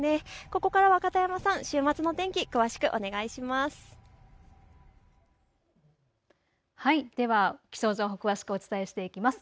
ここからは片山さん、週末の天気、詳しくお願いします。